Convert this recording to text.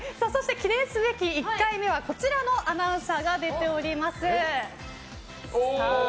記念すべき１回目はこちらのアナウンサーが出ております。